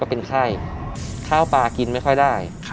เป็นไข้ข้าวปลากินไม่ค่อยได้